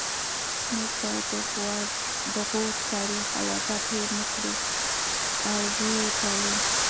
موږ باید د غور تاریخ او ادب هیر نکړو او ويې پالو